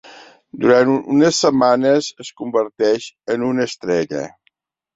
Durant unes setmanes es converteix en una estrella.